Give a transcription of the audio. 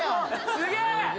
すげえ！